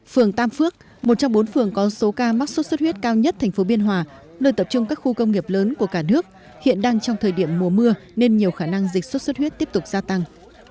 phường tam phước một trong bốn phường có số ca mắc sốt xuất huyết cao nhất thành phố biên hòa nơi tập trung các khu công nghiệp lớn của cả nước hiện đang trong thời điểm mùa mưa nên nhiều khả năng dịch sốt xuất huyết tiếp tục gia tăng